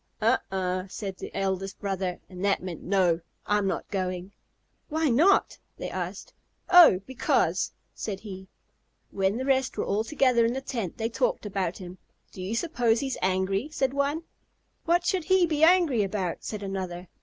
"Uh uh!" said the eldest brother (and that meant "No"), "I'm not going." "Why not?" they asked. "Oh, because," said he. When the rest were all together in the tent they talked about him. "Do you suppose he's angry?" said one. "What should he be angry about?" said another.